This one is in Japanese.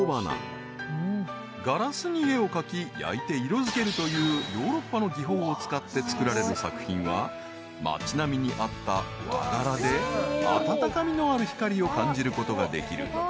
［ガラスに絵を描き焼いて色付けるというヨーロッパの技法を使って作られる作品は町並みに合った和柄で温かみのある光を感じることができる］